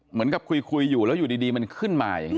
เหมือนกับคุยอยู่แล้วอยู่ดีมันขึ้นมาอย่างนี้